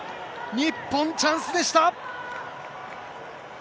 日本、チャンスでした。